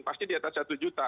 pasti di atas satu juta